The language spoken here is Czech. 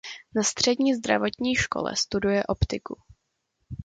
Na Střední zdravotní škole studuje optiku.